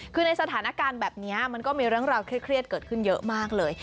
คือในสถานการณ์แบบนี้มันก็มีเรื่องราวเครียดเกิดขึ้นเยอะมากเลย